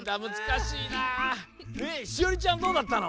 しおりちゃんどうだったの？